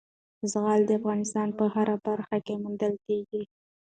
زغال د افغانستان په هره برخه کې موندل کېږي.